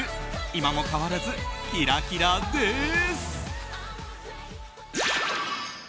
今も変わらずキラキラです。